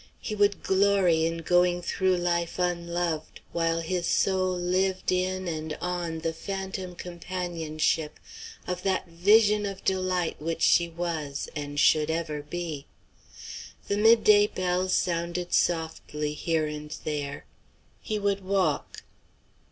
He would glory in going through life unloved, while his soul lived in and on the phantom companionship of that vision of delight which she was and should ever be. The midday bells sounded softly here and there. He would walk.